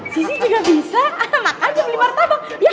sisi juga bisa makanya beli martabak